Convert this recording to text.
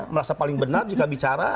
merasa paling benar jika bicara